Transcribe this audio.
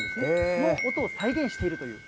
その音を再現しているという。